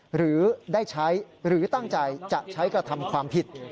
หรือได้ใช้หรือตั้งใจจะใช้กระทำความผิด